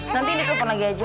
nanti dikumpul lagi aja